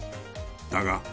だが。